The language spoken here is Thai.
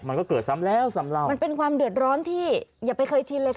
มันก็เกิดซ้ำแล้วซ้ำเล่ามันเป็นความเดือดร้อนที่อย่าไปเคยชินเลยค่ะ